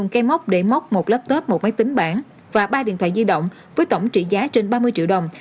cây móc để móc một laptop một máy tính bản và ba điện thoại di động với tổng trị giá trên ba mươi triệu đồng